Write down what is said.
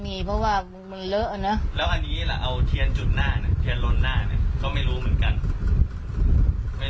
ไม่อยากให้แม่เป็นอะไรไปแล้วนอนร้องไห้แท่ทุกคืน